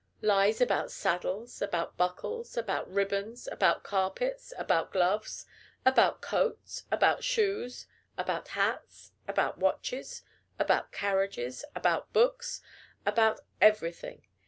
Lies about saddles, about buckles, about ribbons, about carpets, about gloves, about coats, about shoes, about hats, about watches, about carriages, about books, about everything.